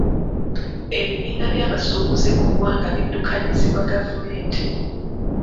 Ebibiina by’abasuubuzi mu ggwanga biddukanyizibwa gavumenti.